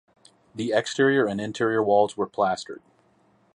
The exterior and interior walls were plastered.